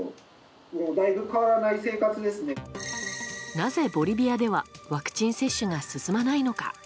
なぜ、ボリビアではワクチン接種が進まないのか。